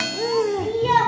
iya mbah mumut pinter